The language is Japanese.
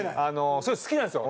すごい好きなんですよ